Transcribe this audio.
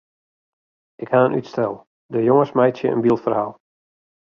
Ik ha in útstel: de jonges meitsje in byldferhaal.